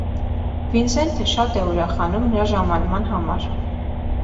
Վինսենթը շատ է ուրախանում նրա ժամանման համար։